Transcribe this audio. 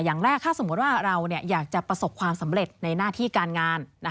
อย่างแรกถ้าสมมุติว่าเราอยากจะประสบความสำเร็จในหน้าที่การงาน